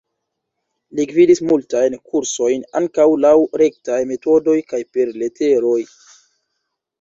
Li gvidis multajn kursojn, ankaŭ laŭ rektaj metodoj kaj per leteroj.